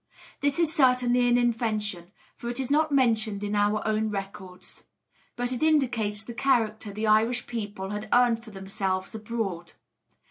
This is certainly an invention, for it is not mentioned in our own records; but it indicates the character the Irish people had earned for themselves abroad.